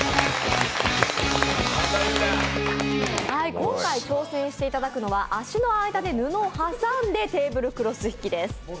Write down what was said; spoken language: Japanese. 今回挑戦していただくのは足の間で布を挟んでのテーブルクロス引きです。